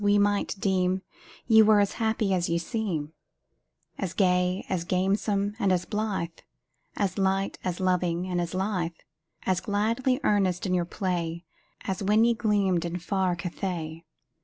we might deem Ye were happy as ye seem As gay, as gamesome, and as blithe, As light, as loving, and as lithe, As gladly earnest in your play, As when ye gleamed in far Cathay.